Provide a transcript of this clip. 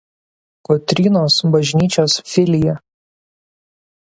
Kotrynos bažnyčios filija.